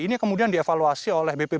ini kemudian dievaluasi oleh bpp